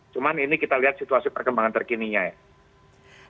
cuma ini kita lihat situasi perkembangan terkininya ya